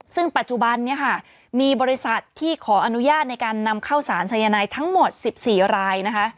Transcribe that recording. ซึ่งปัจจุบันนี้ค่ะมีบริษัทที่ขออนุญาตในการนำเข้าสารสายนายทั้งหมด๑๔รายนะคะ